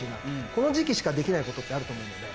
この時期しかできないことってあると思うので。